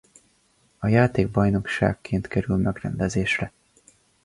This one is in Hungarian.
A játék bajnokságként kerül megrendezésre.